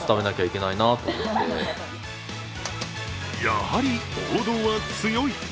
やはり王道は強い。